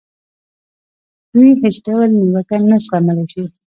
دوی هېڅ ډول نیوکه نه زغملای شي.